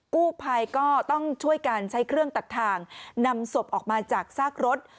กู้ภัยก็ต้องช่วยการใช้เครื่องตัดทางนำศพออกมาจากซากรถ